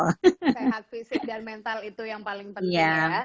sehat fisik dan mental itu yang paling penting ya